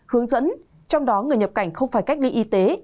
hướng dẫn trong đó người nhập cảnh không phải cách ly y tế